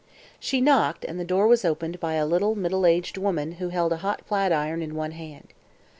She knocked, and the door was opened by a little middle aged woman who held a hot flatiron in one hand.